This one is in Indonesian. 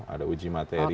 ada uji materi